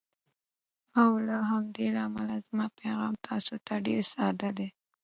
او له همدې امله زما پیغام تاسو ته ډېر ساده دی: